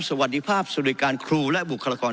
สวัสดีภาพสวัสดิการครูและบุคลากร